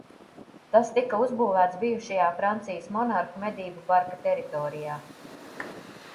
Tas tika uzbūvēts bijušajā Francijas monarhu medību parka teritorijā.